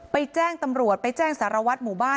แจ้งตำรวจไปแจ้งสารวัตรหมู่บ้าน